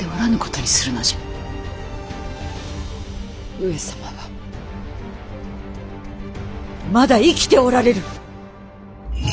上様はまだ生きておられる。